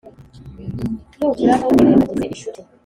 nukira ntukirengagize inshuti